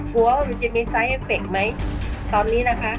กลัวว่ามันจะมีไซเฟคไหมตอนนี้นะคะ